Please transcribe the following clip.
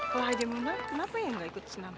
kalau haji munak kenapa yang gak ikut senang